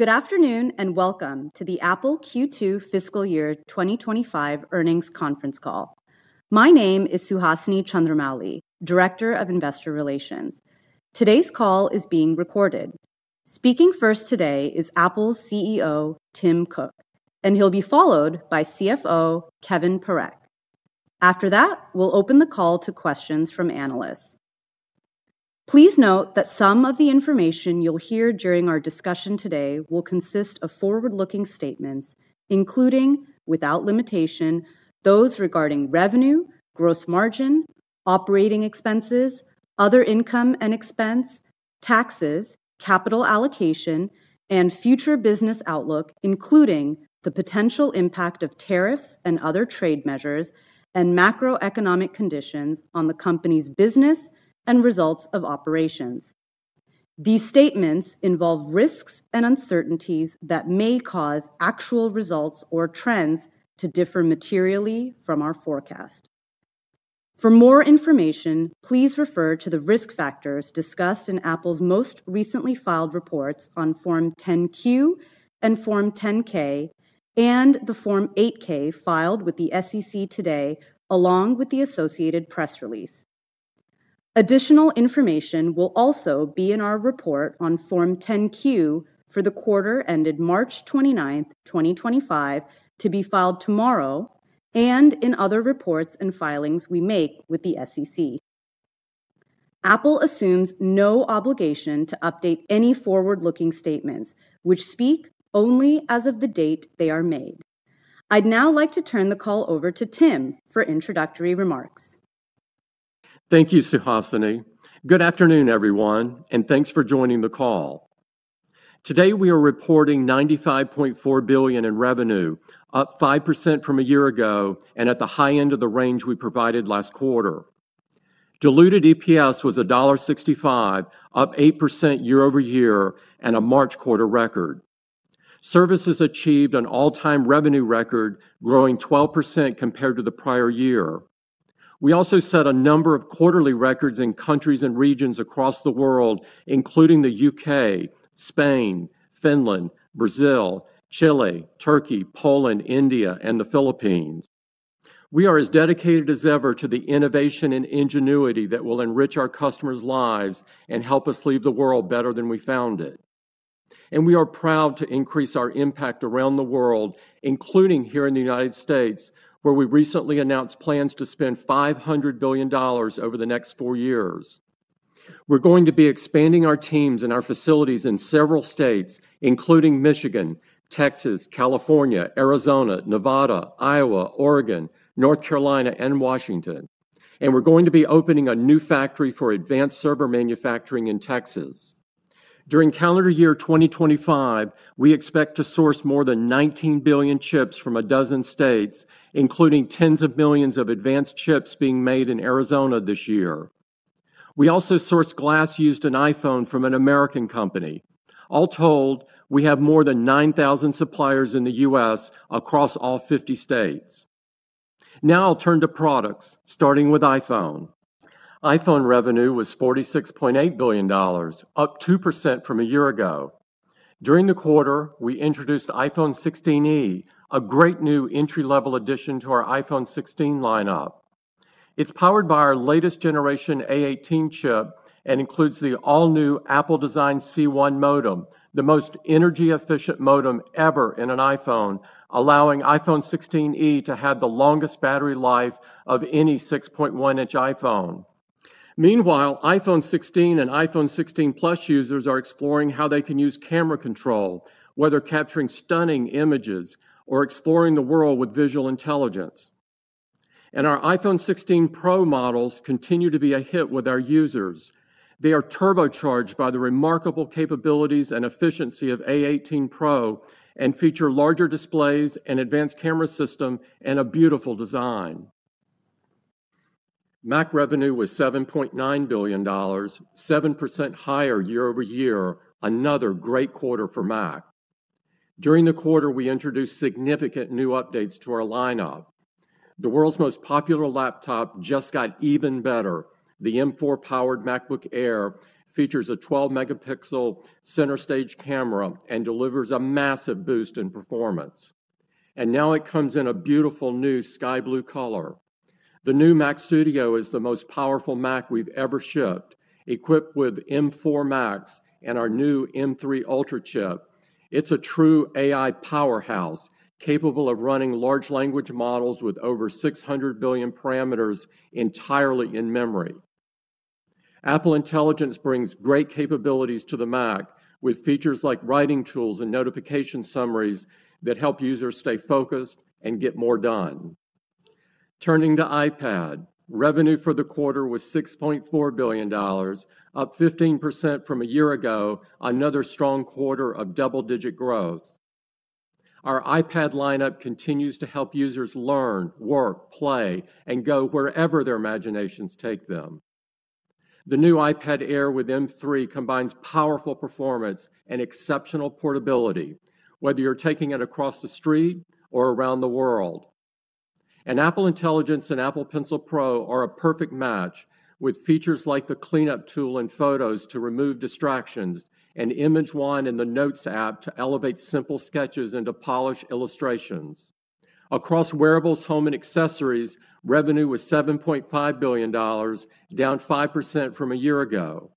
Good afternoon and welcome to the Apple Q2 Fiscal Year 2025 earnings conference call. My name is Suhasini Chandramouli, Director of Investor Relations. Today's call is being recorded. Speaking first today is Apple's CEO, Tim Cook, and he'll be followed by CFO, Kevan Parekh. After that, we'll open the call to questions from analysts. Please note that some of the information you'll hear during our discussion today will consist of forward-looking statements, including, without limitation, those regarding revenue, gross margin, operating expenses, other income and expense, taxes, capital allocation, and future business outlook, including the potential impact of tariffs and other trade measures and macroeconomic conditions on the company's business and results of operations. These statements involve risks and uncertainties that may cause actual results or trends to differ materially from our forecast. For more information, please refer to the risk factors discussed in Apple's most recently filed reports on Form 10Q and Form 10K, and the Form 8K filed with the SEC today, along with the associated press release. Additional information will also be in our report on Form 10Q for the quarter ended March 29, 2025, to be filed tomorrow, and in other reports and filings we make with the SEC. Apple assumes no obligation to update any forward-looking statements, which speak only as of the date they are made. I'd now like to turn the call over to Tim for introductory remarks. Thank you, Suhasini. Good afternoon, everyone, and thanks for joining the call. Today we are reporting $95.4 billion in revenue, up 5% from a year ago and at the high end of the range we provided last quarter. Diluted EPS was $1.65, up 8% year over year and a March quarter record. Services achieved an all-time revenue record, growing 12% compared to the prior year. We also set a number of quarterly records in countries and regions across the world, including the U.K., Spain, Finland, Brazil, Chile, Turkey, Poland, India, and the Philippines. We are as dedicated as ever to the innovation and ingenuity that will enrich our customers' lives and help us leave the world better than we found it. We are proud to increase our impact around the world, including here in the United States, where we recently announced plans to spend $500 billion over the next four years. We are going to be expanding our teams and our facilities in several states, including Michigan, Texas, California, Arizona, Nevada, Iowa, Oregon, North Carolina, and Washington. We are going to be opening a new factory for advanced server manufacturing in Texas. During calendar year 2025, we expect to source more than 19 billion chips from a dozen states, including tens of millions of advanced chips being made in Arizona this year. We also sourced glass used in iPhone from an American company. All told, we have more than 9,000 suppliers in the U.S. across all 50 states. Now I will turn to products, starting with iPhone. iPhone revenue was $46.8 billion, up 2% from a year ago. During the quarter, we introduced iPhone 16e, a great new entry-level addition to our iPhone 16 lineup. It's powered by our latest generation A18 chip and includes the all-new Apple-designed C1 modem, the most energy-efficient modem ever in an iPhone, allowing iPhone 16e to have the longest battery life of any 6.1-inch iPhone. iPhone 16 and iPhone 16 Plus users are exploring how they can use camera control, whether capturing stunning images or exploring the world with visual intelligence. Our iPhone 16 Pro models continue to be a hit with our users. They are turbocharged by the remarkable capabilities and efficiency of A18 Pro and feature larger displays and an advanced camera system and a beautiful design. Mac revenue was $7.9 billion, 7% higher year over year, another great quarter for Mac. During the quarter, we introduced significant new updates to our lineup. The world's most popular laptop just got even better. The M4-powered MacBook Air features a 12-megapixel center stage camera and delivers a massive boost in performance. Now it comes in a beautiful new sky blue color. The new Mac Studio is the most powerful Mac we've ever shipped, equipped with M4 Max and our new M3 Ultra chip. It's a true AI powerhouse, capable of running large language models with over 600 billion parameters entirely in memory. Apple Intelligence brings great capabilities to the Mac, with features like writing tools and notification summaries that help users stay focused and get more done. Turning to iPad, revenue for the quarter was $6.4 billion, up 15% from a year ago, another strong quarter of double-digit growth. Our iPad lineup continues to help users learn, work, play, and go wherever their imaginations take them. The new iPad Air with M3 combines powerful performance and exceptional portability, whether you're taking it across the street or around the world. Apple Intelligence and Apple Pencil Pro are a perfect match, with features like the cleanup tool in Photos to remove distractions and Image Wand in the Notes app to elevate simple sketches into polished illustrations. Across wearables, home, and accessories, revenue was $7.5 billion, down 5% from a year ago.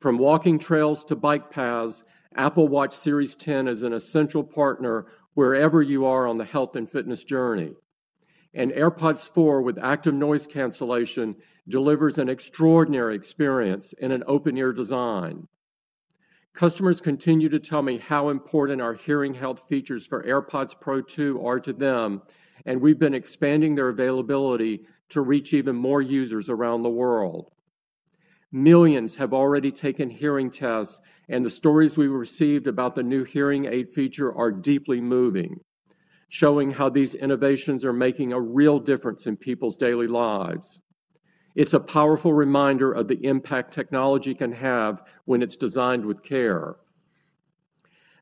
From walking trails to bike paths, Apple Watch Series 10 is an essential partner wherever you are on the health and fitness journey. AirPods 4 with active noise cancellation delivers an extraordinary experience in an open-ear design. Customers continue to tell me how important our hearing health features for AirPods Pro 2 are to them, and we've been expanding their availability to reach even more users around the world. Millions have already taken hearing tests, and the stories we received about the new hearing aid feature are deeply moving, showing how these innovations are making a real difference in people's daily lives. It's a powerful reminder of the impact technology can have when it's designed with care.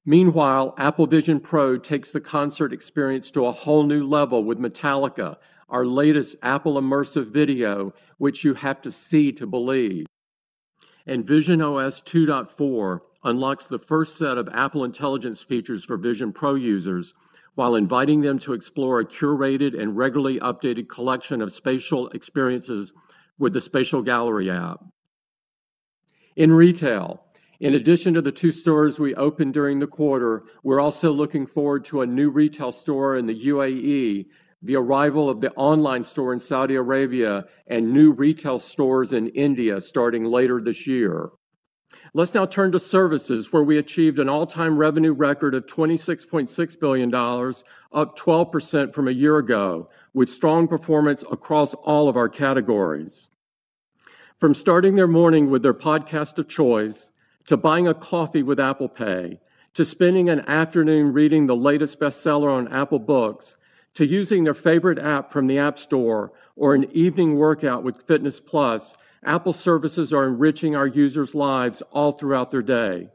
Meanwhile, Apple Vision Pro takes the concert experience to a whole new level with Metallica, our latest Apple immersive video, which you have to see to believe. visionOS 2.4 unlocks the first set of Apple Intelligence features for Vision Pro users, while inviting them to explore a curated and regularly updated collection of spatial experiences with the Spatial Gallery app. In retail, in addition to the two stores we opened during the quarter, we're also looking forward to a new retail store in the UAE, the arrival of the online store in Saudi Arabia, and new retail stores in India starting later this year. Let's now turn to services, where we achieved an all-time revenue record of $26.6 billion, up 12% from a year ago, with strong performance across all of our categories. From starting their morning with their podcast of choice, to buying a coffee with Apple Pay, to spending an afternoon reading the latest bestseller on Apple Books, to using their favorite app from the App Store, or an evening workout with Fitness+, Apple services are enriching our users' lives all throughout their day.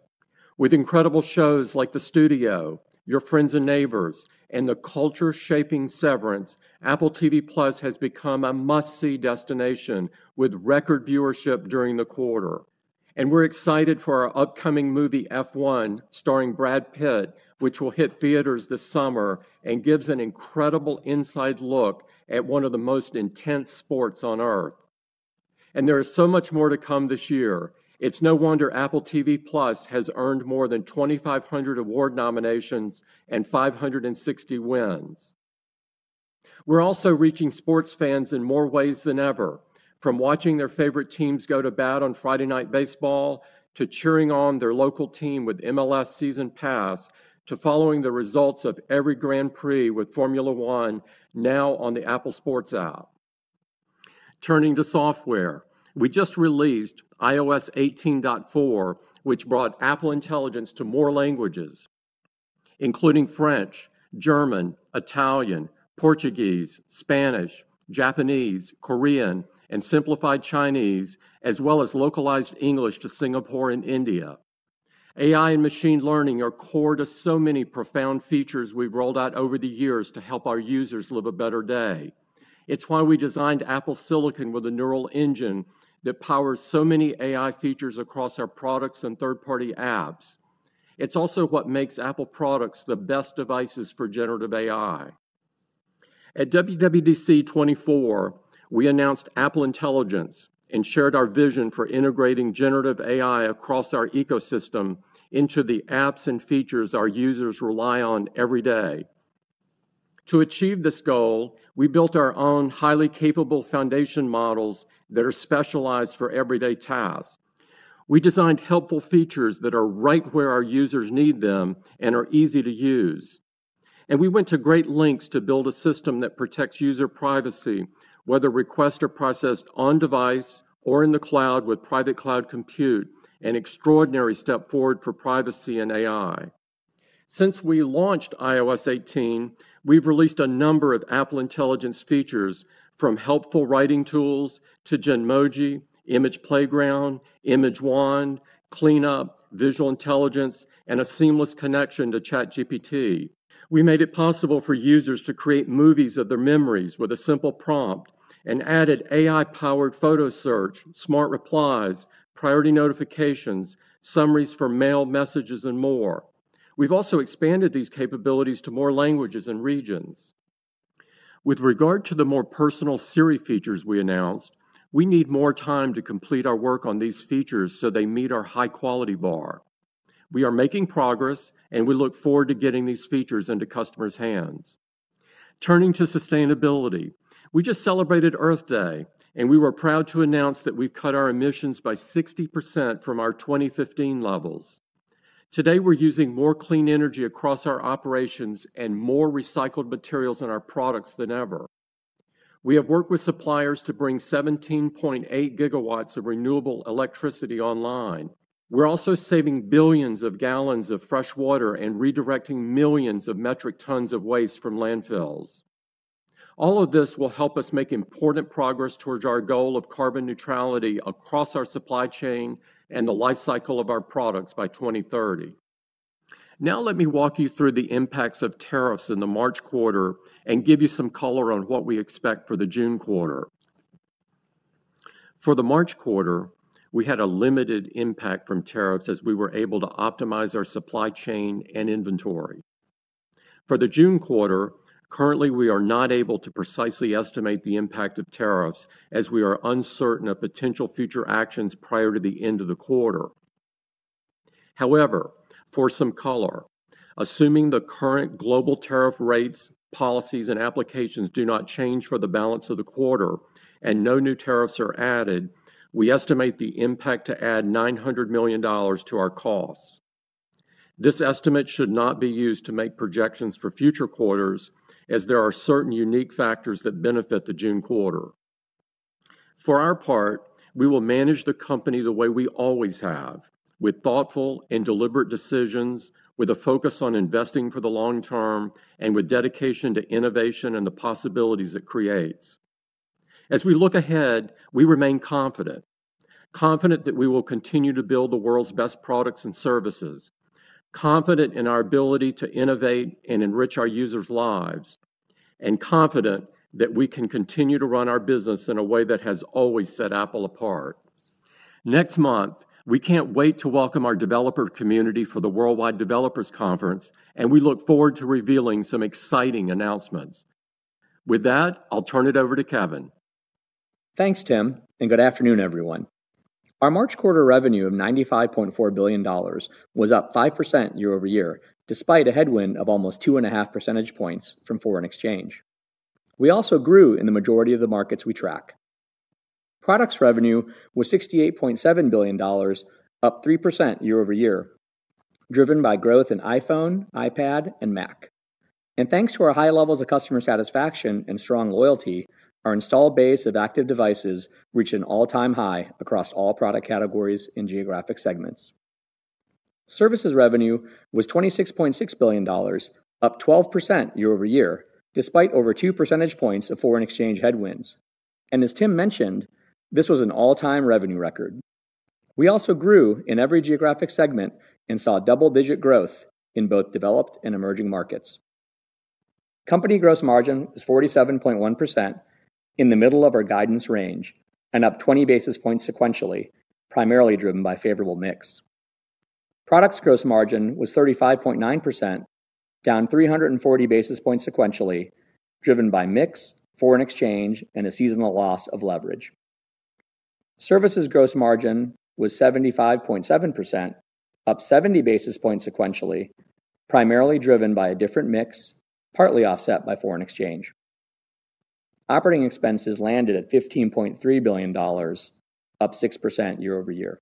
With incredible shows like The Studio, Your Friends and Neighbors, and the culture-shaping Severance, Apple TV+ has become a must-see destination with record viewership during the quarter. We are excited for our upcoming movie F1, starring Brad Pitt, which will hit theaters this summer and gives an incredible inside look at one of the most intense sports on Earth. There is so much more to come this year. It is no wonder Apple TV+ has earned more than 2,500 award nominations and 560 wins. We are also reaching sports fans in more ways than ever, from watching their favorite teams go to bat on Friday Night Baseball, to cheering on their local team with MLS Season Pass, to following the results of every Grand Prix with Formula One, now on the Apple Sports app. Turning to software, we just released iOS 18.4, which brought Apple Intelligence to more languages, including French, German, Italian, Portuguese, Spanish, Japanese, Korean, and simplified Chinese, as well as localized English to Singapore and India. AI and machine learning are core to so many profound features we've rolled out over the years to help our users live a better day. It's why we designed Apple Silicon with a neural engine that powers so many AI features across our products and third-party apps. It's also what makes Apple products the best devices for generative AI. At WWDC24, we announced Apple Intelligence and shared our vision for integrating generative AI across our ecosystem into the apps and features our users rely on every day. To achieve this goal, we built our own highly capable foundation models that are specialized for everyday tasks. We designed helpful features that are right where our users need them and are easy to use. We went to great lengths to build a system that protects user privacy, whether requests are processed on-device or in the cloud with Private Cloud Compute, an extraordinary step forward for privacy and AI. Since we launched iOS 18, we've released a number of Apple Intelligence features, from helpful writing tools to Genmoji, Image Playground, Image Wand, Cleanup, Visual Intelligence, and a seamless connection to ChatGPT. We made it possible for users to create movies of their memories with a simple prompt and added AI-powered photo search, smart replies, priority notifications, summaries for mail messages, and more. We've also expanded these capabilities to more languages and regions. With regard to the more personal Siri features we announced, we need more time to complete our work on these features so they meet our high-quality bar. We are making progress, and we look forward to getting these features into customers' hands. Turning to sustainability, we just celebrated Earth Day, and we were proud to announce that we've cut our emissions by 60% from our 2015 levels. Today, we're using more clean energy across our operations and more recycled materials in our products than ever. We have worked with suppliers to bring 17.8 gigawatts of renewable electricity online. We're also saving billions of gallons of fresh water and redirecting millions of metric tons of waste from landfills. All of this will help us make important progress towards our goal of carbon neutrality across our supply chain and the lifecycle of our products by 2030. Now let me walk you through the impacts of tariffs in the March quarter and give you some color on what we expect for the June quarter. For the March quarter, we had a limited impact from tariffs as we were able to optimize our supply chain and inventory. For the June quarter, currently we are not able to precisely estimate the impact of tariffs as we are uncertain of potential future actions prior to the end of the quarter. However, for some color, assuming the current global tariff rates, policies, and applications do not change for the balance of the quarter and no new tariffs are added, we estimate the impact to add $900 million to our costs. This estimate should not be used to make projections for future quarters as there are certain unique factors that benefit the June quarter. For our part, we will manage the company the way we always have, with thoughtful and deliberate decisions, with a focus on investing for the long term and with dedication to innovation and the possibilities it creates. As we look ahead, we remain confident, confident that we will continue to build the world's best products and services, confident in our ability to innovate and enrich our users' lives, and confident that we can continue to run our business in a way that has always set Apple apart. Next month, we can't wait to welcome our developer community for the Worldwide Developers Conference, and we look forward to revealing some exciting announcements. With that, I'll turn it over to Kevan. Thanks, Tim, and good afternoon, everyone. Our March quarter revenue of $95.4 billion was up 5% year over year, despite a headwind of almost 2.5 percentage points from foreign exchange. We also grew in the majority of the markets we track. Products revenue was $68.7 billion, up 3% year over year, driven by growth in iPhone, iPad, and Mac. Thanks to our high levels of customer satisfaction and strong loyalty, our installed base of active devices reached an all-time high across all product categories and geographic segments. Services revenue was $26.6 billion, up 12% year over year, despite over 2 percentage points of foreign exchange headwinds. As Tim mentioned, this was an all-time revenue record. We also grew in every geographic segment and saw double-digit growth in both developed and emerging markets. Company gross margin was 47.1% in the middle of our guidance range and up 20 basis points sequentially, primarily driven by favorable mix. Products gross margin was 35.9%, down 340 basis points sequentially, driven by mix, foreign exchange, and a seasonal loss of leverage. Services gross margin was 75.7%, up 70 basis points sequentially, primarily driven by a different mix, partly offset by foreign exchange. Operating expenses landed at $15.3 billion, up 6% year over year.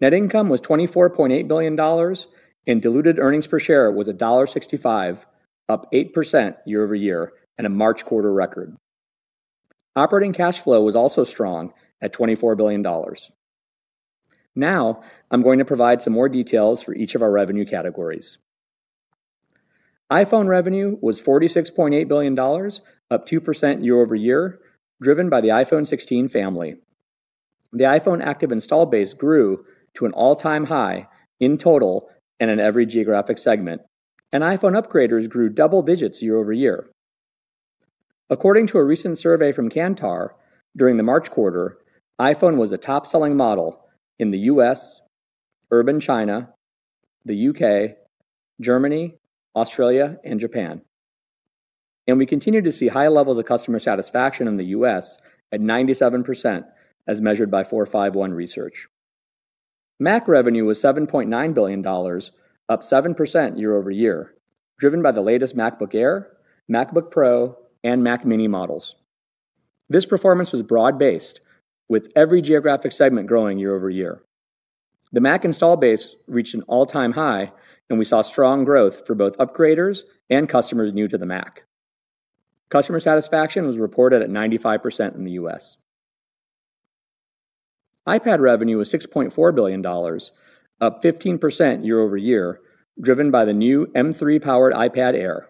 Net income was $24.8 billion, and diluted earnings per share was $1.65, up 8% year over year and a March quarter record. Operating cash flow was also strong at $24 billion. Now I'm going to provide some more details for each of our revenue categories. iPhone revenue was $46.8 billion, up 2% year over year, driven by the iPhone 16 family. The iPhone active install base grew to an all-time high in total and in every geographic segment, and iPhone upgraders grew double digits year over year. According to a recent survey from Kantar, during the March quarter, iPhone was the top-selling model in the U.S., urban China, the U.K., Germany, Australia, and Japan. We continue to see high levels of customer satisfaction in the U.S. at 97%, as measured by 451 Research. Mac revenue was $7.9 billion, up 7% year over year, driven by the latest MacBook Air, MacBook Pro, and Mac Mini models. This performance was broad-based, with every geographic segment growing year over year. The Mac install base reached an all-time high, and we saw strong growth for both upgraders and customers new to the Mac. Customer satisfaction was reported at 95% in the U.S. iPad revenue was $6.4 billion, up 15% year over year, driven by the new M3-powered iPad Air.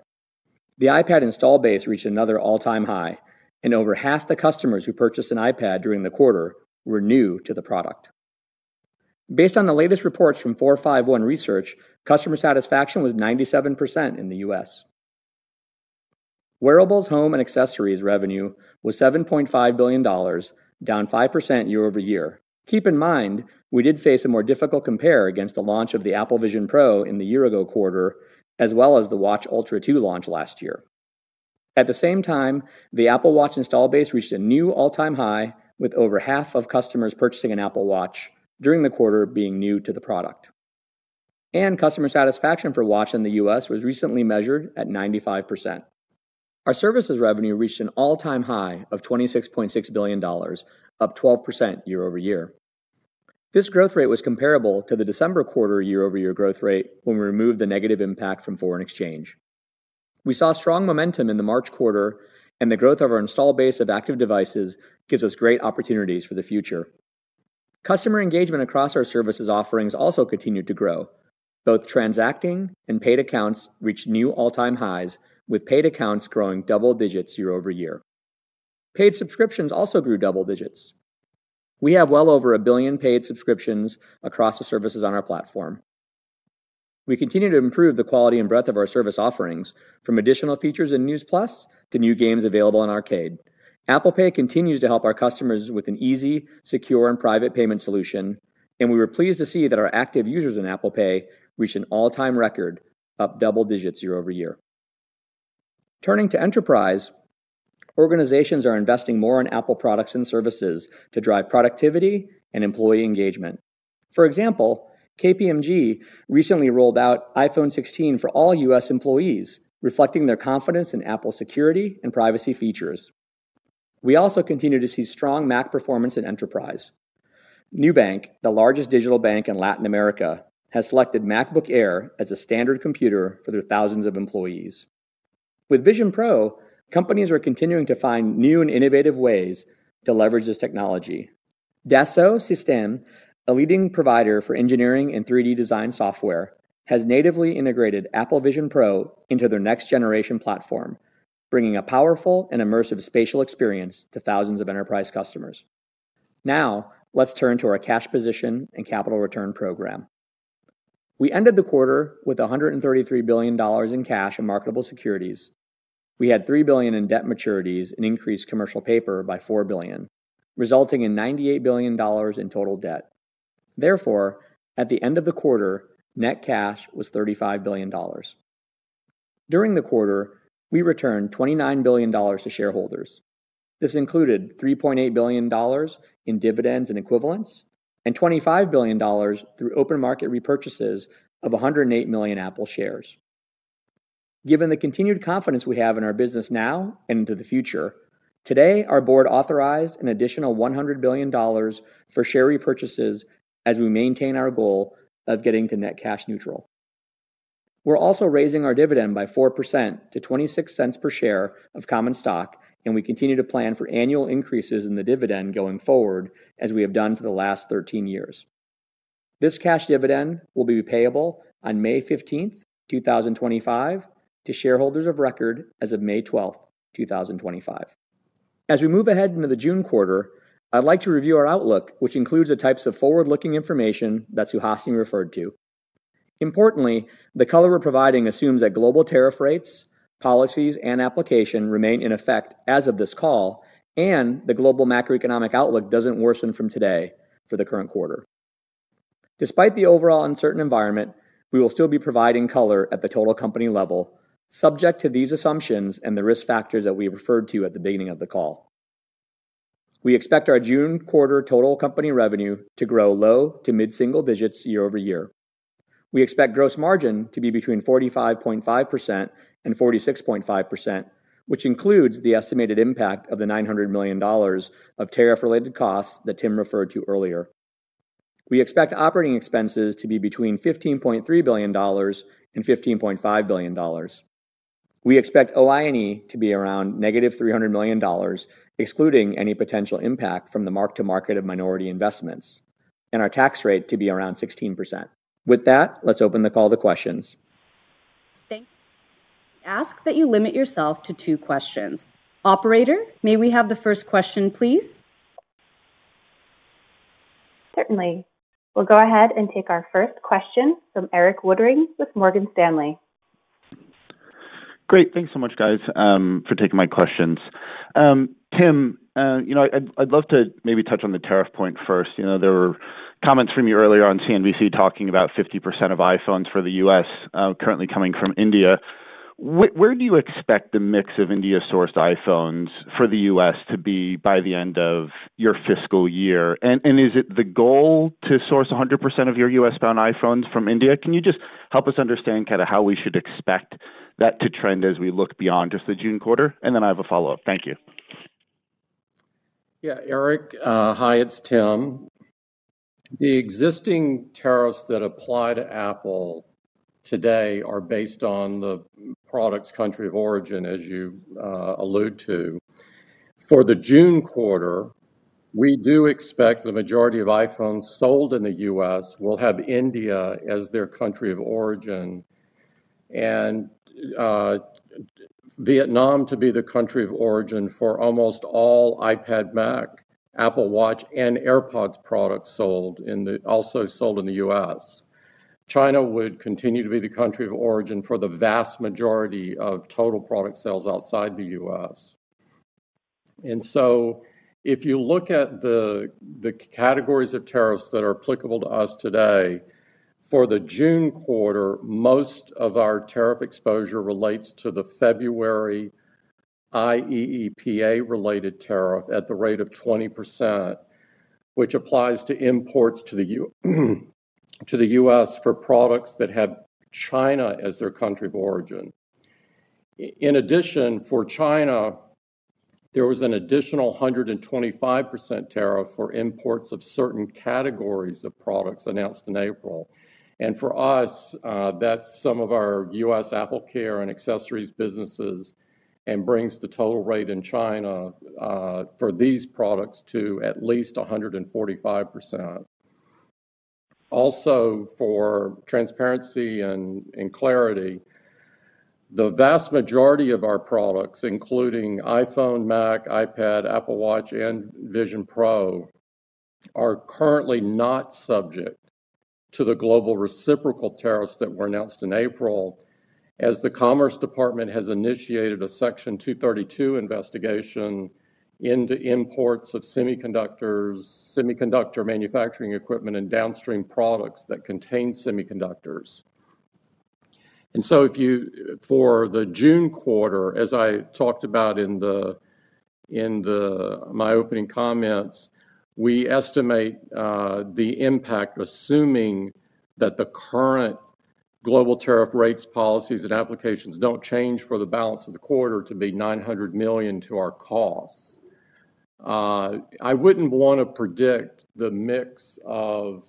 The iPad install base reached another all-time high, and over half the customers who purchased an iPad during the quarter were new to the product. Based on the latest reports from 451 Research, customer satisfaction was 97% in the U.S. Wearables, home, and accessories revenue was $7.5 billion, down 5% year over year. Keep in mind, we did face a more difficult compare against the launch of the Apple Vision Pro in the year-ago quarter, as well as the Watch Ultra 2 launch last year. At the same time, the Apple Watch install base reached a new all-time high, with over half of customers purchasing an Apple Watch during the quarter being new to the product. Customer satisfaction for Watch in the U.S. was recently measured at 95%. Our services revenue reached an all-time high of $26.6 billion, up 12% year over year. This growth rate was comparable to the December quarter year-over-year growth rate when we removed the negative impact from foreign exchange. We saw strong momentum in the March quarter, and the growth of our install base of active devices gives us great opportunities for the future. Customer engagement across our services offerings also continued to grow. Both transacting and paid accounts reached new all-time highs, with paid accounts growing double digits year over year. Paid subscriptions also grew double digits. We have well over a billion paid subscriptions across the services on our platform. We continue to improve the quality and breadth of our service offerings, from additional features in News+ to new games available in Arcade. Apple Pay continues to help our customers with an easy, secure, and private payment solution, and we were pleased to see that our active users in Apple Pay reached an all-time record, up double digits year over year. Turning to enterprise, organizations are investing more in Apple products and services to drive productivity and employee engagement. For example, KPMG recently rolled out iPhone 16 for all US employees, reflecting their confidence in Apple's security and privacy features. We also continue to see strong Mac performance in enterprise. Nubank, the largest digital bank in Latin America, has selected MacBook Air as a standard computer for their thousands of employees. With Vision Pro, companies are continuing to find new and innovative ways to leverage this technology. Dassault Systèmes, a leading provider for engineering and 3D design software, has natively integrated Apple Vision Pro into their next-generation platform, bringing a powerful and immersive spatial experience to thousands of enterprise customers. Now let's turn to our cash position and capital return program. We ended the quarter with $133 billion in cash and marketable securities. We had $3 billion in debt maturities and increased commercial paper by $4 billion, resulting in $98 billion in total debt. Therefore, at the end of the quarter, net cash was $35 billion. During the quarter, we returned $29 billion to shareholders. This included $3.8 billion in dividends and equivalents and $25 billion through open market repurchases of 108 million Apple shares. Given the continued confidence we have in our business now and into the future, today, our board authorized an additional $100 billion for share repurchases as we maintain our goal of getting to net cash neutral. We're also raising our dividend by 4% to $0.26 per share of common stock, and we continue to plan for annual increases in the dividend going forward, as we have done for the last 13 years. This cash dividend will be payable on May 15, 2025, to shareholders of record as of May 12, 2025. As we move ahead into the June quarter, I'd like to review our outlook, which includes the types of forward-looking information that Suhasini referred to. Importantly, the color we're providing assumes that global tariff rates, policies, and application remain in effect as of this call, and the global macroeconomic outlook does not worsen from today for the current quarter. Despite the overall uncertain environment, we will still be providing color at the total company level, subject to these assumptions and the risk factors that we referred to at the beginning of the call. We expect our June quarter total company revenue to grow low to mid-single digits year over year. We expect gross margin to be between 45.5% and 46.5%, which includes the estimated impact of the $900 million of tariff-related costs that Tim referred to earlier. We expect operating expenses to be between $15.3 billion and $15.5 billion. We expect OINE to be around negative $300 million, excluding any potential impact from the mark-to-market of minority investments, and our tax rate to be around 16%. With that, let's open the call to questions. Thank you. Ask that you limit yourself to two questions. Operator, may we have the first question, please? Certainly. We'll go ahead and take our first question from Eric Woodring with Morgan Stanley. Great. Thanks so much, guys, for taking my questions. Tim, I'd love to maybe touch on the tariff point first. There were comments from you earlier on CNBC talking about 50% of iPhones for the U.S. currently coming from India. Where do you expect the mix of India-sourced iPhones for the U.S. to be by the end of your fiscal year? Is it the goal to source 100% of your U.S.-bound iPhones from India? Can you just help us understand kind of how we should expect that to trend as we look beyond just the June quarter? I have a follow-up. Thank you. Yeah, Eric. Hi, it's Tim. The existing tariffs that apply to Apple today are based on the product's country of origin, as you alluded to. For the June quarter, we do expect the majority of iPhones sold in the U.S. will have India as their country of origin and Vietnam to be the country of origin for almost all iPad, Mac, Apple Watch, and AirPods products sold in the U.S. China would continue to be the country of origin for the vast majority of total product sales outside the U.S. If you look at the categories of tariffs that are applicable to us today, for the June quarter, most of our tariff exposure relates to the February IEEPA-related tariff at the rate of 20%, which applies to imports to the U.S. for products that have China as their country of origin. In addition, for China, there was an additional 125% tariff for imports of certain categories of products announced in April. For us, that's some of our U.S. AppleCare and accessories businesses and brings the total rate in China for these products to at least 145%. Also, for transparency and clarity, the vast majority of our products, including iPhone, Mac, iPad, Apple Watch, and Vision Pro, are currently not subject to the global reciprocal tariffs that were announced in April, as the Commerce Department has initiated a Section 232 investigation into imports of semiconductors, semiconductor manufacturing equipment, and downstream products that contain semiconductors. For the June quarter, as I talked about in my opening comments, we estimate the impact, assuming that the current global tariff rates, policies, and applications do not change for the balance of the quarter, to be $900 million to our costs. I wouldn't want to predict the mix of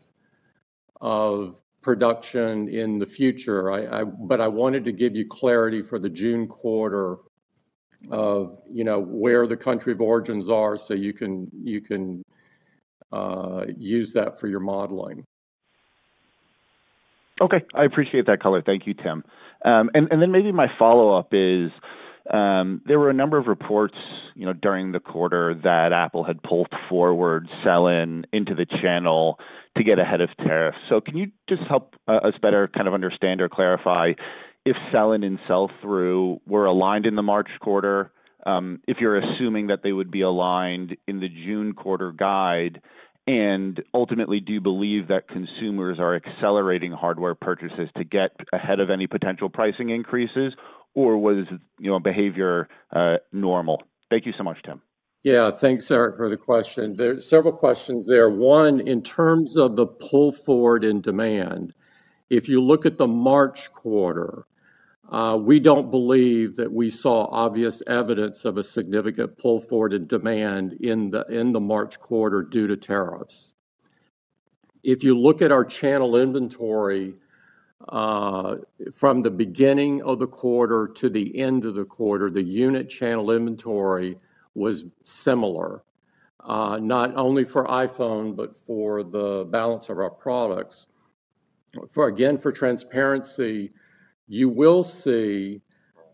production in the future, but I wanted to give you clarity for the June quarter of where the country of origins are so you can use that for your modeling. Okay. I appreciate that, Colette. Thank you, Tim. Maybe my follow-up is there were a number of reports during the quarter that Apple had pulled forward sell-in into the channel to get ahead of tariffs. Can you just help us better kind of understand or clarify if sell-in and sell-through were aligned in the March quarter, if you're assuming that they would be aligned in the June quarter guide, and ultimately, do you believe that consumers are accelerating hardware purchases to get ahead of any potential pricing increases, or was behavior normal? Thank you so much, Tim. Yeah, thanks, Eric, for the question. There are several questions there. One, in terms of the pull forward in demand, if you look at the March quarter, we do not believe that we saw obvious evidence of a significant pull forward in demand in the March quarter due to tariffs. If you look at our channel inventory from the beginning of the quarter to the end of the quarter, the unit channel inventory was similar, not only for iPhone, but for the balance of our products. Again, for transparency, you will see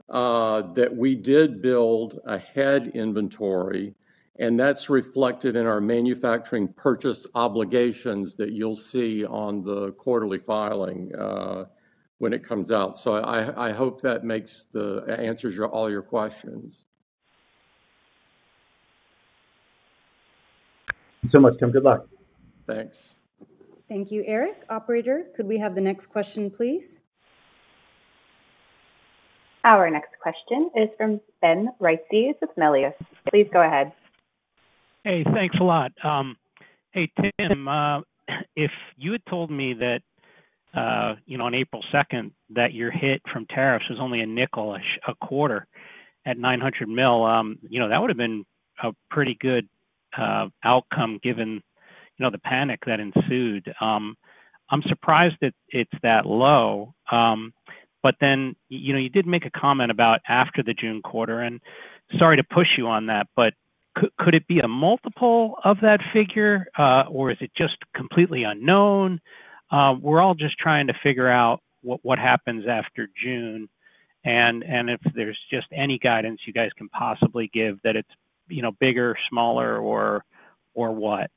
that we did build ahead inventory, and that is reflected in our manufacturing purchase obligations that you will see on the quarterly filing when it comes out. I hope that answers all your questions. Thank you so much, Tim. Good luck. Thanks. Thank you. Eric, Operator, could we have the next question, please? Our next question is from Ben Ricey with Melius. Please go ahead. Hey, thanks a lot. Hey, Tim, if you had told me that on April 2nd that your hit from tariffs was only a nickel a quarter at $900 million, that would have been a pretty good outcome given the panic that ensued. I'm surprised that it's that low. You did make a comment about after the June quarter. Sorry to push you on that, but could it be a multiple of that figure, or is it just completely unknown? We're all just trying to figure out what happens after June, and if there's just any guidance you guys can possibly give that it's bigger, smaller, or what.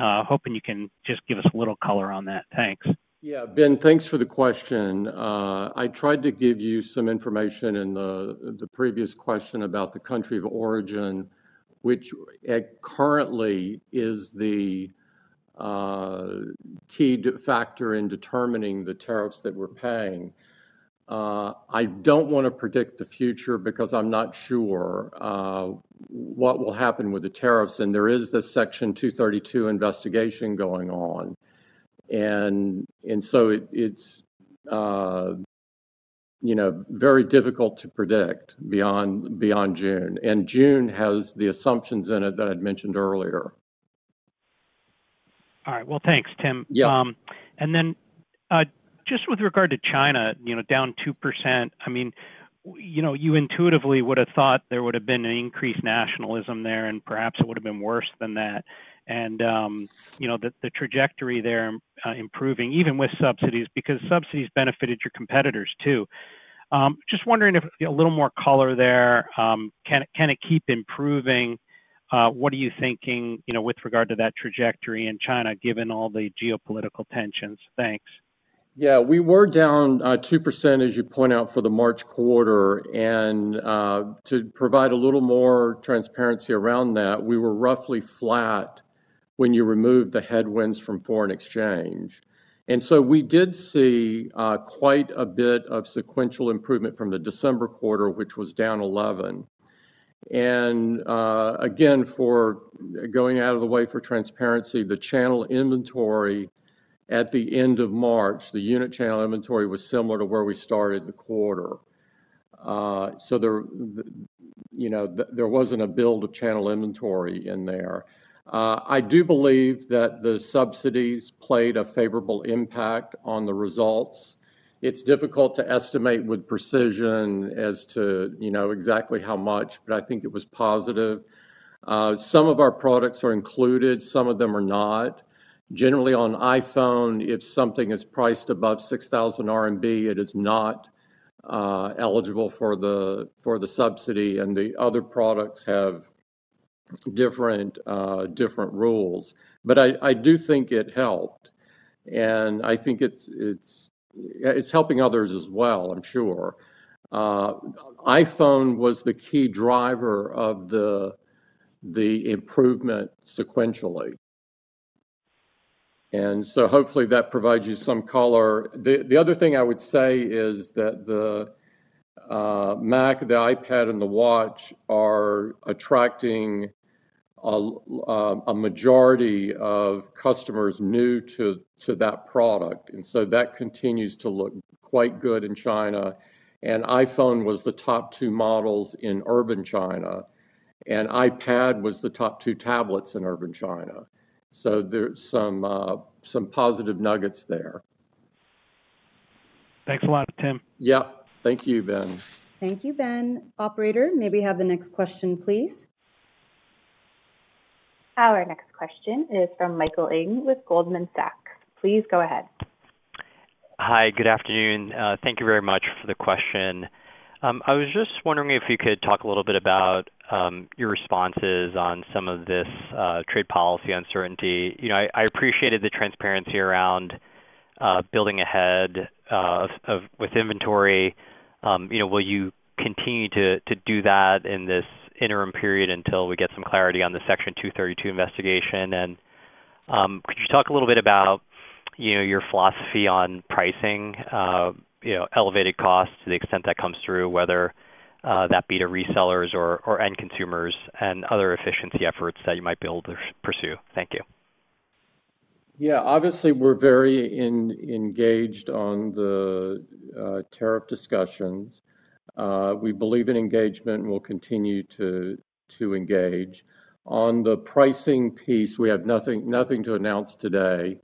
Hoping you can just give us a little color on that. Thanks. Yeah, Ben, thanks for the question. I tried to give you some information in the previous question about the country of origin, which currently is the key factor in determining the tariffs that we're paying. I do not want to predict the future because I'm not sure what will happen with the tariffs. There is the Section 232 investigation going on. It is very difficult to predict beyond June. June has the assumptions in it that I mentioned earlier. All right. Thanks, Tim. Just with regard to China, down 2%, I mean, you intuitively would have thought there would have been an increased nationalism there, and perhaps it would have been worse than that. The trajectory there is improving, even with subsidies, because subsidies benefited your competitors too. Just wondering if a little more color there. Can it keep improving? What are you thinking with regard to that trajectory in China, given all the geopolitical tensions? Thanks. Yeah, we were down 2%, as you point out, for the March quarter. To provide a little more transparency around that, we were roughly flat when you removed the headwinds from foreign exchange. We did see quite a bit of sequential improvement from the December quarter, which was down 11. Going out of the way for transparency, the channel inventory at the end of March, the unit channel inventory was similar to where we started the quarter. There was not a build of channel inventory in there. I do believe that the subsidies played a favorable impact on the results. It is difficult to estimate with precision as to exactly how much, but I think it was positive. Some of our products are included. Some of them are not. Generally, on iPhone, if something is priced above 6,000 RMB, it is not eligible for the subsidy. The other products have different rules. I do think it helped. I think it is helping others as well, I am sure. iPhone was the key driver of the improvement sequentially. Hopefully, that provides you some color. The other thing I would say is that the Mac, the iPad, and the Watch are attracting a majority of customers new to that product. That continues to look quite good in China. iPhone was the top two models in urban China. iPad was the top two tablets in urban China. There are some positive nuggets there. Thanks a lot, Tim. Yep. Thank you, Ben. Thank you, Ben. Operator, may we have the next question, please? Our next question is from Michael Ng with Goldman Sachs. Please go ahead. Hi, good afternoon. Thank you very much for the question. I was just wondering if you could talk a little bit about your responses on some of this trade policy uncertainty. I appreciated the transparency around building ahead with inventory. Will you continue to do that in this interim period until we get some clarity on the Section 232 investigation? Could you talk a little bit about your philosophy on pricing, elevated costs to the extent that comes through, whether that be to resellers or end consumers and other efficiency efforts that you might be able to pursue? Thank you. Yeah, obviously, we're very engaged on the tariff discussions. We believe in engagement and will continue to engage. On the pricing piece, we have nothing to announce today.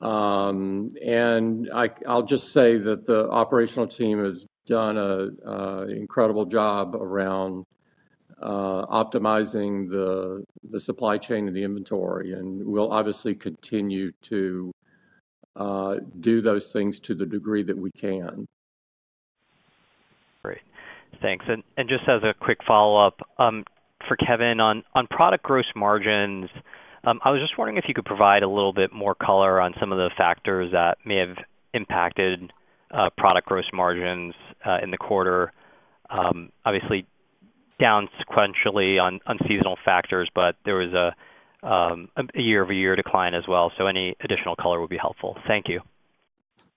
I'll just say that the operational team has done an incredible job around optimizing the supply chain and the inventory. We will obviously continue to do those things to the degree that we can. Great. Thanks. Just as a quick follow-up for Kevan, on product gross margins, I was just wondering if you could provide a little bit more color on some of the factors that may have impacted product gross margins in the quarter. Obviously, down sequentially on seasonal factors, but there was a year-over-year decline as well. Any additional color would be helpful. Thank you.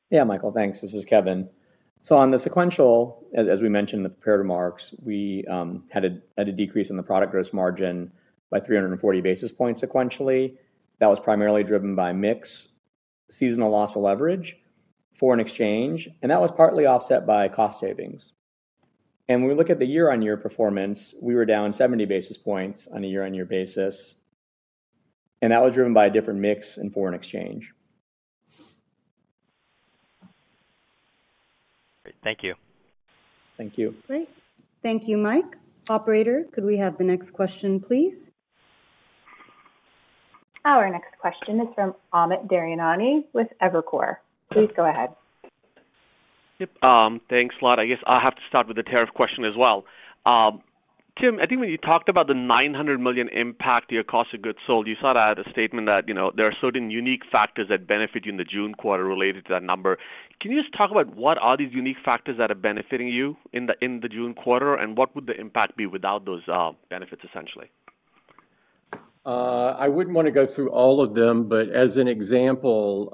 Yeah, Michael, thanks. This is Kevan. On the sequential, as we mentioned in the prepared remarks, we had a decrease in the product gross margin by 340 basis points sequentially. That was primarily driven by mix, seasonal, loss of leverage, foreign exchange. That was partly offset by cost savings. When we look at the year-on-year performance, we were down 70 basis points on a year-on-year basis. That was driven by a different mix in foreign exchange. Great. Thank you. Thank you. Great. Thank you, Mike. Operator, could we have the next question, please? Our next question is from Amit Daryanani with Evercore. Please go ahead. Yep. Thanks a lot. I guess I'll have to start with the tariff question as well. Tim, I think when you talked about the $900 million impact to your cost of goods sold, you sort of had a statement that there are certain unique factors that benefit you in the June quarter related to that number. Can you just talk about what are these unique factors that are benefiting you in the June quarter, and what would the impact be without those benefits, essentially? I wouldn't want to go through all of them, but as an example,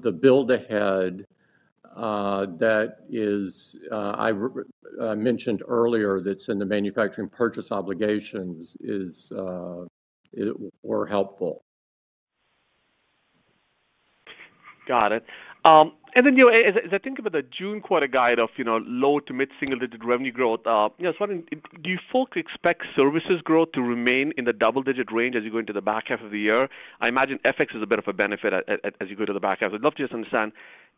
the build ahead that I mentioned earlier that's in the manufacturing purchase obligations were helpful. Got it. As I think about the June quarter guide of low to mid-single-digit revenue growth, do you folks expect services growth to remain in the double-digit range as you go into the back half of the year? I imagine FX is a bit of a benefit as you go to the back half. I'd love to just understand,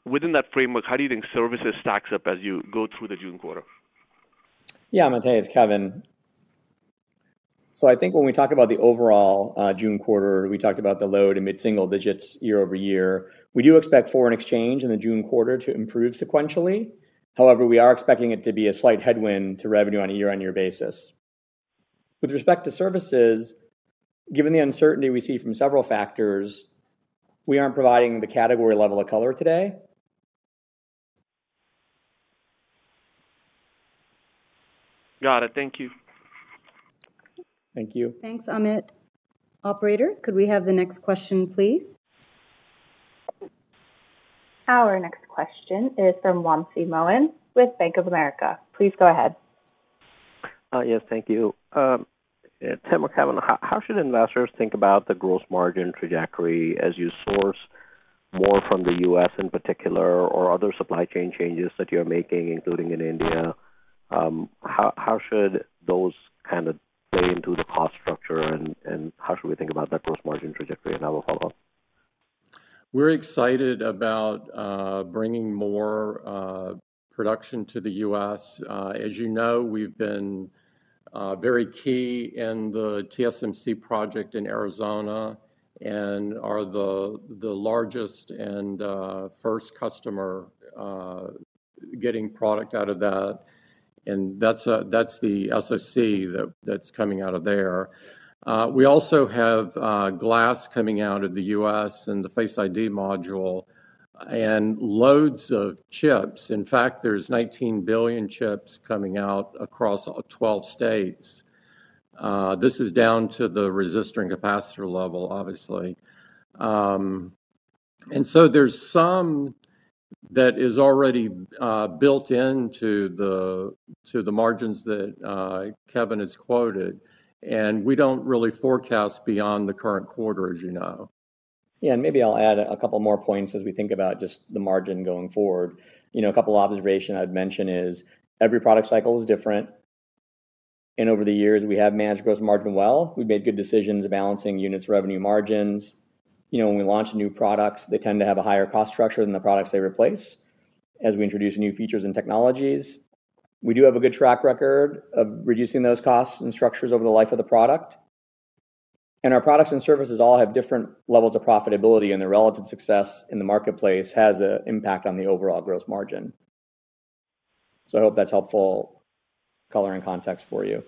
within that framework, how do you think services stacks up as you go through the June quarter? Yeah, Amit. Hey, it's Kevan. I think when we talk about the overall June quarter, we talked about the low to mid-single digits year-over-year. We do expect foreign exchange in the June quarter to improve sequentially. However, we are expecting it to be a slight headwind to revenue on a year-on-year basis. With respect to services, given the uncertainty we see from several factors, we aren't providing the category level of color today. Got it. Thank you. Thank you. Thanks, Amit. Operator, could we have the next question, please? Our next question is from Wansi Moen with Bank of America. Please go ahead. Yes, thank you. Tim McCavern, how should investors think about the gross margin trajectory as you source more from the U.S. in particular or other supply chain changes that you're making, including in India? How should those kind of play into the cost structure, and how should we think about that gross margin trajectory? I will follow up. We're excited about bringing more production to the U.S. As you know, we've been very key in the TSMC project in Arizona and are the largest and first customer getting product out of that. That's the SSC that's coming out of there. We also have glass coming out of the U.S. and the Face ID module and loads of chips. In fact, there's 19 billion chips coming out across 12 states. This is down to the resistor and capacitor level, obviously. There's some that is already built into the margins that Kevan has quoted. We don't really forecast beyond the current quarter, as you know. Yeah, maybe I'll add a couple more points as we think about just the margin going forward. A couple of observations I'd mention is every product cycle is different. Over the years, we have managed gross margin well. We've made good decisions balancing units' revenue margins. When we launch new products, they tend to have a higher cost structure than the products they replace as we introduce new features and technologies. We do have a good track record of reducing those cost structures over the life of the product. Our products and services all have different levels of profitability, and their relative success in the marketplace has an impact on the overall gross margin. I hope that's helpful color and context for you.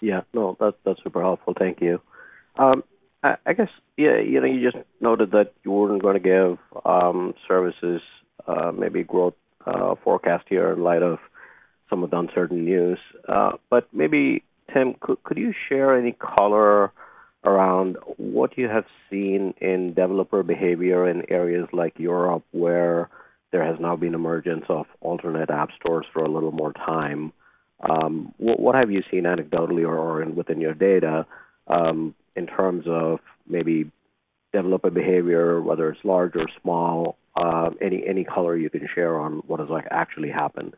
Yeah, no, that's super helpful. Thank you. I guess you just noted that you weren't going to give services maybe growth forecast here in light of some of the uncertain news. Maybe, Tim, could you share any color around what you have seen in developer behavior in areas like Europe where there has now been emergence of alternate app stores for a little more time? What have you seen anecdotally or within your data in terms of maybe developer behavior, whether it's large or small? Any color you can share on what has actually happened?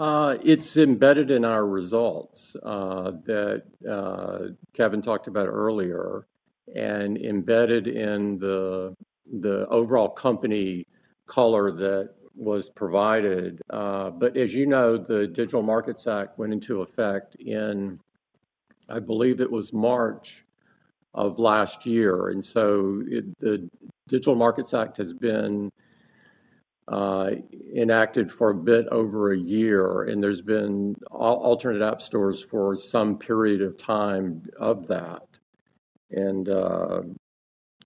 It's embedded in our results that Kevan talked about earlier and embedded in the overall company color that was provided. As you know, the Digital Markets Act went into effect in, I believe it was March of last year. The Digital Markets Act has been enacted for a bit over a year. There have been alternate app stores for some period of time of that.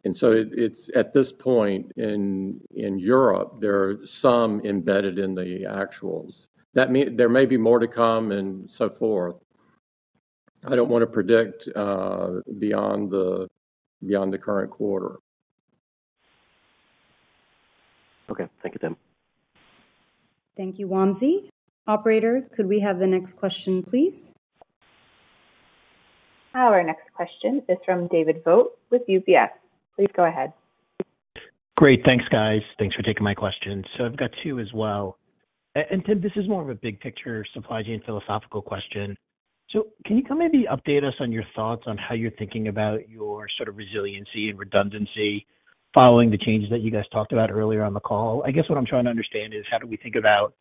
At this point in Europe, there are some embedded in the actuals. There may be more to come and so forth. I don't want to predict beyond the current quarter. Okay. Thank you, Tim. Thank you, Wansi. Operator, could we have the next question, please? Our next question is from David Vogt with UBS. Please go ahead. Great. Thanks, guys. Thanks for taking my questions. I have two as well. Tim, this is more of a big picture supply chain philosophical question. Can you maybe update us on your thoughts on how you're thinking about your sort of resiliency and redundancy following the changes that you guys talked about earlier on the call? I guess what I'm trying to understand is how do we think about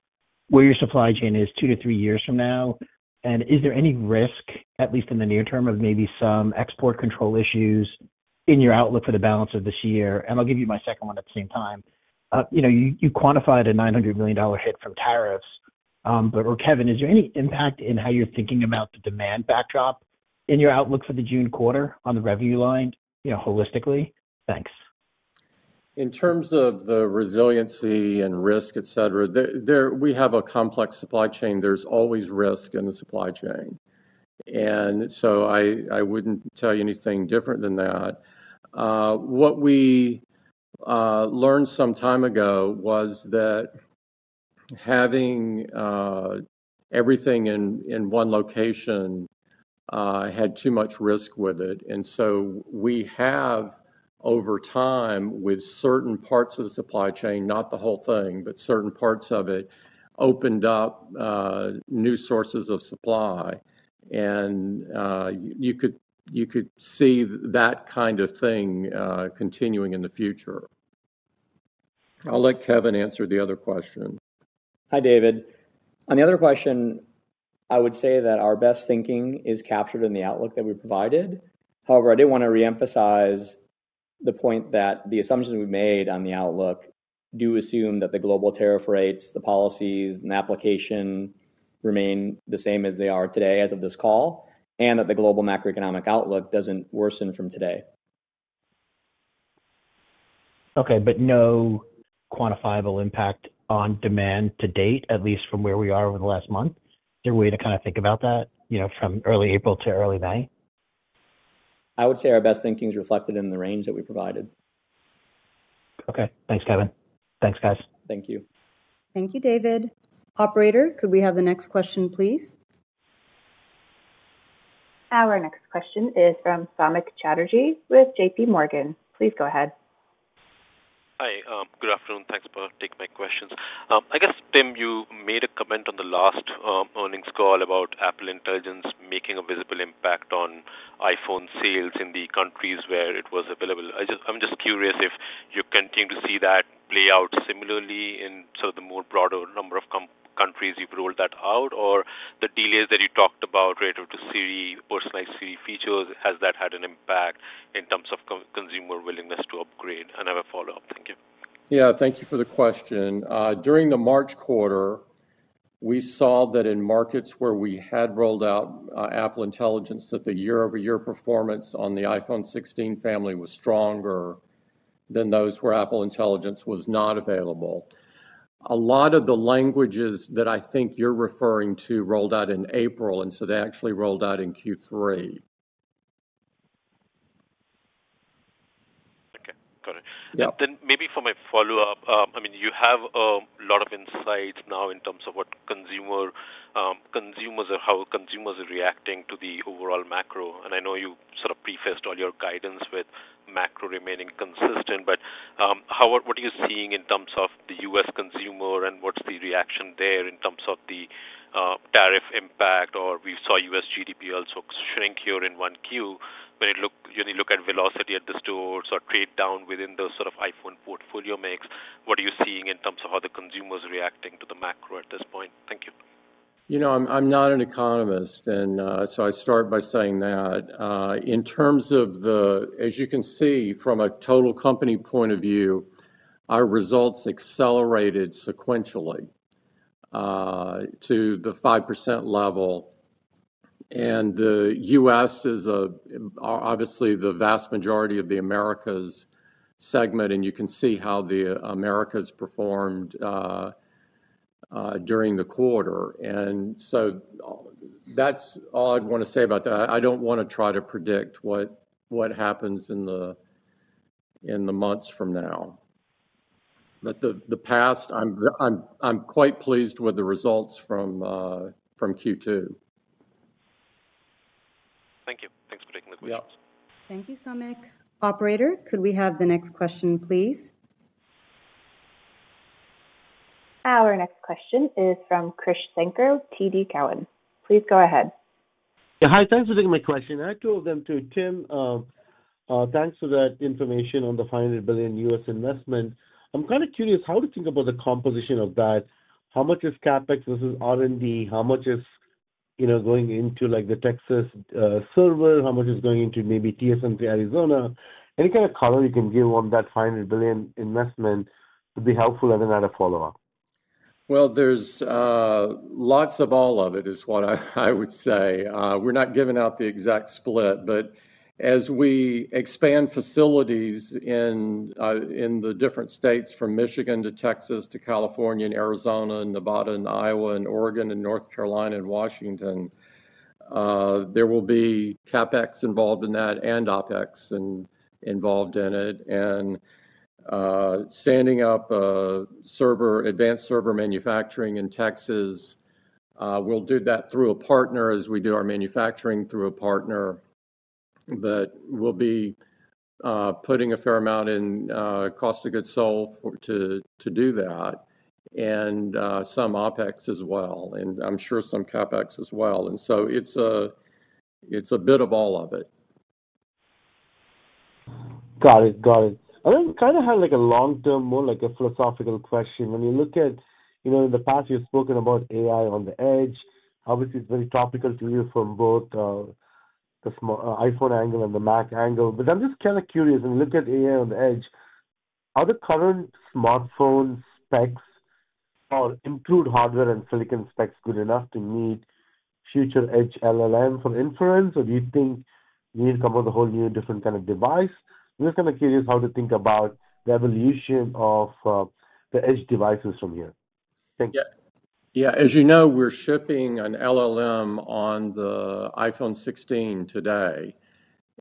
where your supply chain is two to three years from now? Is there any risk, at least in the near term, of maybe some export control issues in your outlook for the balance of this year? I'll give you my second one at the same time. You quantified a $900 million hit from tariffs. Kevin, is there any impact in how you're thinking about the demand backdrop in your outlook for the June quarter on the revenue line holistically? Thanks. In terms of the resiliency and risk, etc., we have a complex supply chain. There's always risk in the supply chain. I wouldn't tell you anything different than that. What we learned some time ago was that having everything in one location had too much risk with it. We have, over time, with certain parts of the supply chain, not the whole thing, but certain parts of it, opened up new sources of supply. You could see that kind of thing continuing in the future. I'll let Kevin answer the other question. Hi, David. On the other question, I would say that our best thinking is captured in the outlook that we provided. However, I did want to reemphasize the point that the assumptions we made on the outlook do assume that the global tariff rates, the policies, and application remain the same as they are today as of this call, and that the global macroeconomic outlook does not worsen from today. Okay, but no quantifiable impact on demand to date, at least from where we are over the last month? Is there a way to kind of think about that from early April to early May? I would say our best thinking is reflected in the range that we provided. Okay. Thanks, Kevan. Thanks, guys. Thank you. Thank you, David. Operator, could we have the next question, please? Our next question is from Samik Chatterjee with JP Morgan. Please go ahead. Hi. Good afternoon. Thanks for taking my questions. I guess, Tim, you made a comment on the last earnings call about Apple Intelligence making a visible impact on iPhone sales in the countries where it was available. I'm just curious if you continue to see that play out similarly in sort of the more broader number of countries you've rolled that out, or the delays that you talked about relative to personalized Siri features, has that had an impact in terms of consumer willingness to upgrade? I have a follow-up. Thank you. Yeah, thank you for the question. During the March quarter, we saw that in markets where we had rolled out Apple Intelligence, that the year-over-year performance on the iPhone 16 family was stronger than those where Apple Intelligence was not available. A lot of the languages that I think you're referring to rolled out in April, and so they actually rolled out in Q3. Okay. Got it. Maybe for my follow-up, I mean, you have a lot of insights now in terms of what consumers are, how consumers are reacting to the overall macro. I know you sort of prefaced all your guidance with macro remaining consistent, but what are you seeing in terms of the U.S. consumer, and what's the reaction there in terms of the tariff impact? We saw U.S. GDP also shrink here in Q1. When you look at velocity at the stores or trade down within the sort of iPhone portfolio mix, what are you seeing in terms of how the consumer is reacting to the macro at this point? Thank you. I'm not an economist, and so I start by saying that. In terms of the, as you can see from a total company point of view, our results accelerated sequentially to the 5% level. The U.S. is obviously the vast majority of the Americas segment, and you can see how the Americas performed during the quarter. That is all I would want to say about that. I do not want to try to predict what happens in the months from now. The past, I am quite pleased with the results from Q2. Thank you. Thanks for taking the questions. Thank you, Samik. Operator, could we have the next question, please? Our next question is from Krish Sankar, TD Cowen. Please go ahead. Yeah, hi. Thanks for taking my question. I told them to Tim, thanks for that information on the $500 billion U.S. investment. I am kind of curious how to think about the composition of that. How much is CapEx versus R&D? How much is going into the Texas server? How much is going into maybe TSMC Arizona? Any kind of color you can give on that $500 billion investment would be helpful, and then I'd have a follow-up. There's lots of all of it is what I would say. We're not giving out the exact split, but as we expand facilities in the different states from Michigan to Texas to California and Arizona and Nevada and Iowa and Oregon and North Carolina and Washington, there will be CapEx involved in that and OpEx involved in it. Standing up advanced server manufacturing in Texas, we'll do that through a partner as we do our manufacturing through a partner. We'll be putting a fair amount in cost of goods sold to do that and some OpEx as well. I'm sure some CapEx as well. It's a bit of all of it. Got it. Got it. I kind of have a long-term, more like a philosophical question. When you look at in the past, you've spoken about AI on the edge. Obviously, it's very topical to you from both the iPhone angle and the Mac angle. I'm just kind of curious. When you look at AI on the edge, are the current smartphone specs or improved hardware and silicon specs good enough to meet future edge LLM for inference? Or do you think we need to come up with a whole new different kind of device? I'm just kind of curious how to think about the evolution of the edge devices from here. Thank you. Yeah. As you know, we're shipping an LLM on the iPhone 16 today.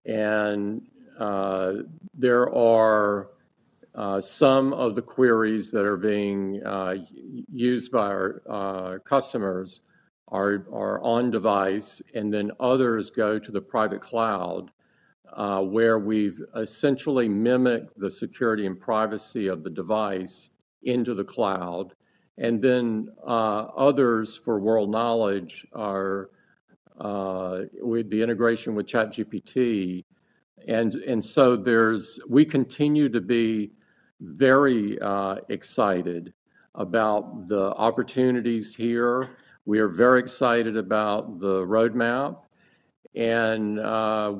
There are some of the queries that are being used by our customers are on-device, and then others go to the private cloud where we've essentially mimicked the security and privacy of the device into the cloud. Others for world knowledge with the integration with ChatGPT. We continue to be very excited about the opportunities here. We are very excited about the roadmap. We are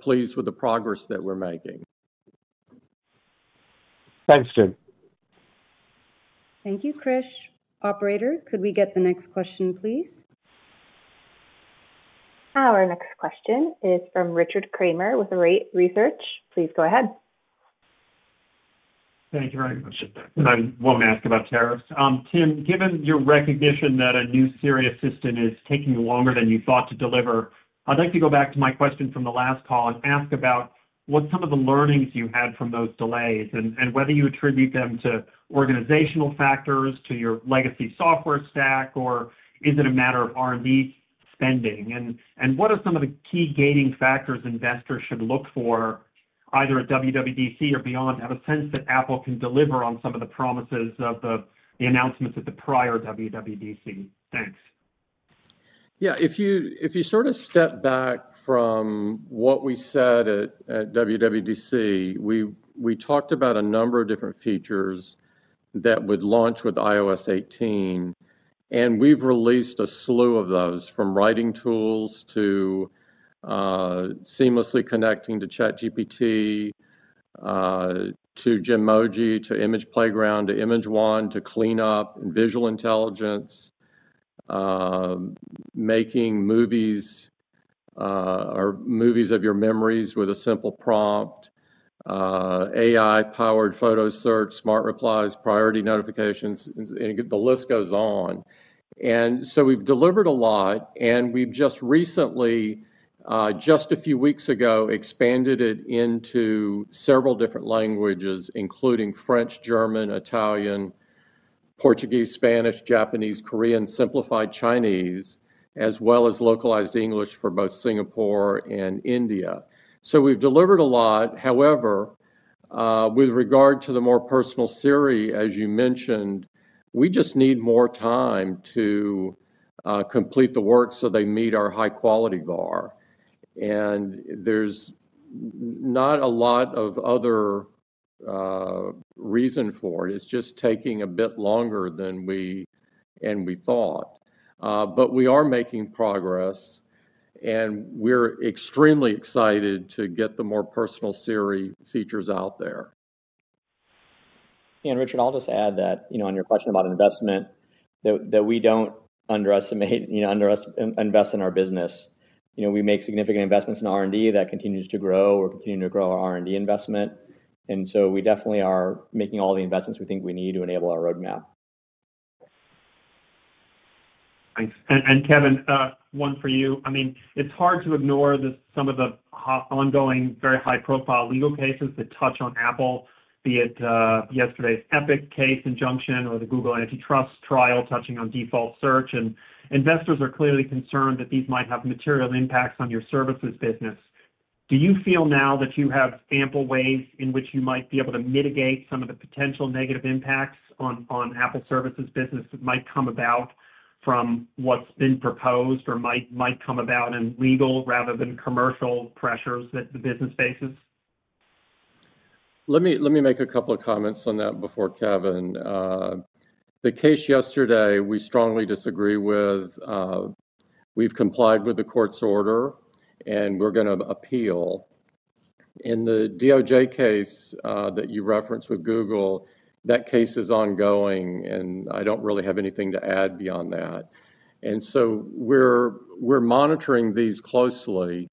pleased with the progress that we're making. Thanks, Tim. Thank you, Krish. Operator, could we get the next question, please? Our next question is from Richard Kramer with Arete Research. Please go ahead. Thank you very much. I won't ask about tariffs. Tim, given your recognition that a new Siri assistant is taking longer than you thought to deliver, I'd like to go back to my question from the last call and ask about what some of the learnings you had from those delays and whether you attribute them to organizational factors, to your legacy software stack, or is it a matter of R&D spending? What are some of the key gating factors investors should look for, either at WWDC or beyond, to have a sense that Apple can deliver on some of the promises of the announcements at the prior WWDC? Thanks. Yeah. If you sort of step back from what we said at WWDC, we talked about a number of different features that would launch with iOS 18. We have released a slew of those from writing tools to seamlessly connecting to ChatGPT, to Genmoji, to Image Playground, to Image Wand, to Cleanup and Visual Intelligence, making movies or movies of your memories with a simple prompt, AI-powered photo search, smart replies, priority notifications. The list goes on. We have delivered a lot. We just recently, just a few weeks ago, expanded it into several different languages, including French, German, Italian, Portuguese, Spanish, Japanese, Korean, Simplified Chinese, as well as localized English for both Singapore and India. We have delivered a lot. However, with regard to the more personal Siri, as you mentioned, we just need more time to complete the work so they meet our high-quality bar. There is not a lot of other reason for it. It is just taking a bit longer than we thought. We are making progress. We're extremely excited to get the more personal Siri features out there. Richard, I'll just add that on your question about investment, we don't underestimate invest in our business. We make significant investments in R&D that continues to grow. We're continuing to grow our R&D investment. We definitely are making all the investments we think we need to enable our roadmap. Thanks. Kevin, one for you. I mean, it's hard to ignore some of the ongoing very high-profile legal cases that touch on Apple, be it yesterday's EPIC case injunction or the Google antitrust trial touching on default search. Investors are clearly concerned that these might have material impacts on your services business. Do you feel now that you have ample ways in which you might be able to mitigate some of the potential negative impacts on Apple services business that might come about from what's been proposed or might come about in legal rather than commercial pressures that the business faces? Let me make a couple of comments on that before Kevan. The case yesterday, we strongly disagree with. We've complied with the court's order, and we're going to appeal. In the DOJ case that you referenced with Google, that case is ongoing, and I don't really have anything to add beyond that. We are monitoring these closely.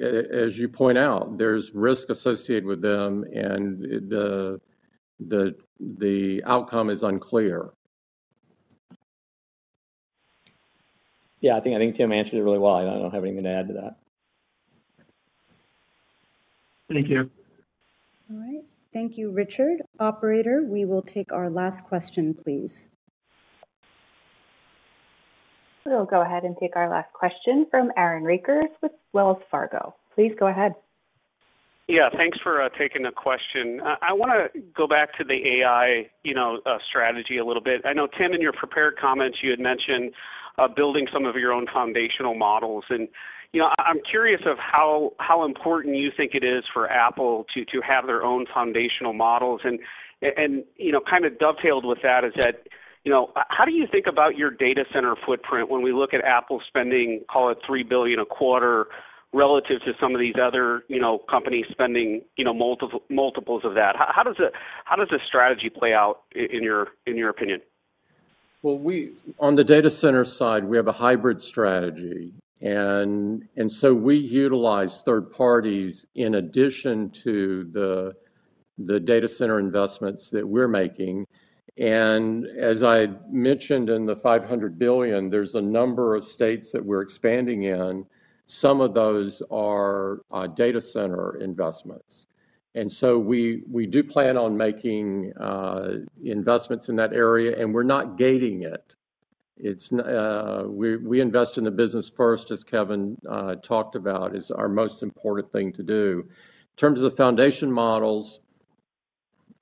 As you point out, there's risk associated with them, and the outcome is unclear. Yeah. I think Tim answered it really well. I don't have anything to add to that. Thank you. All right. Thank you, Richard. Operator, we will take our last question, please. We'll go ahead and take our last question from Aaron Rakers with Wells Fargo. Please go ahead. Yeah. Thanks for taking the question. I want to go back to the AI strategy a little bit. I know, Tim, in your prepared comments, you had mentioned building some of your own foundational models. I'm curious of how important you think it is for Apple to have their own foundational models. Kind of dovetailed with that is that how do you think about your data center footprint when we look at Apple spending, call it $3 billion a quarter relative to some of these other companies spending multiples of that? How does the strategy play out in your opinion? On the data center side, we have a hybrid strategy. We utilize third parties in addition to the data center investments that we're making. As I mentioned in the $500 billion, there's a number of states that we're expanding in. Some of those are data center investments. We do plan on making investments in that area, and we're not gating it. We invest in the business first, as Kevan talked about, is our most important thing to do. In terms of the foundation models,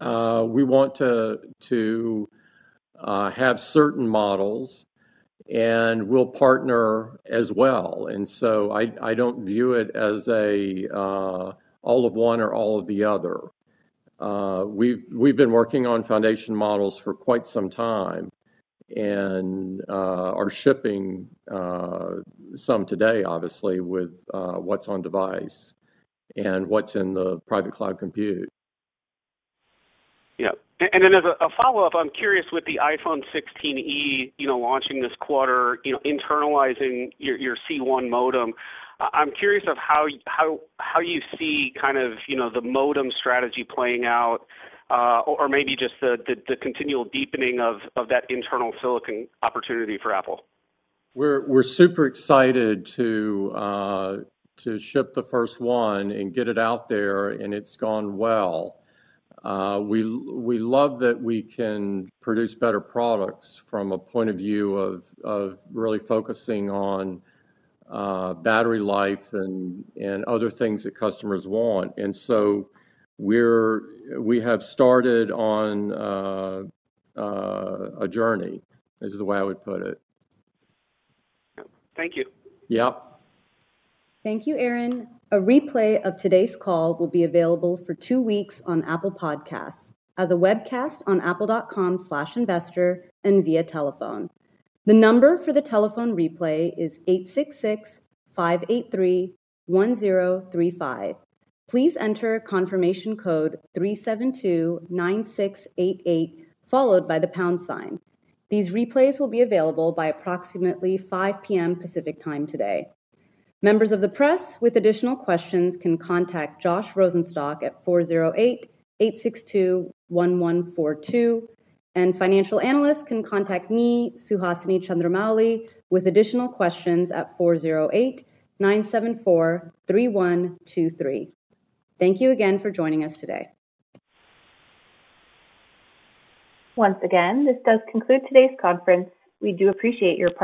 we want to have certain models, and we'll partner as well. I don't view it as all of one or all of the other. We've been working on foundation models for quite some time and are shipping some today, obviously, with what's on device and what's in the private cloud compute. Yeah. Then as a follow-up, I'm curious with the iPhone 16e launching this quarter, internalizing your C1 modem. I'm curious of how you see kind of the modem strategy playing out or maybe just the continual deepening of that internal silicon opportunity for Apple. We're super excited to ship the first one and get it out there, and it's gone well. We love that we can produce better products from a point of view of really focusing on battery life and other things that customers want. We have started on a journey, is the way I would put it. Thank you. Yep. Thank you, Aaron. A replay of today's call will be available for two weeks on Apple Podcasts as a webcast on apple.com/investor and via telephone. The number for the telephone replay is 866-583-1035. Please enter confirmation code 3729688 followed by the pound sign. These replays will be available by approximately 5:00 P.M. Pacific Time today. Members of the press with additional questions can contact Josh Rosenstock at 408-862-1142. Financial analysts can contact me, Suhasini Chandramouli, with additional questions at 408-974-3123. Thank you again for joining us today. Once again, this does conclude today's conference. We do appreciate your participation.